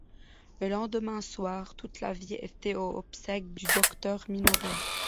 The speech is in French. Le lendemain soir, toute la ville était aux obsèques du docteur Minoret.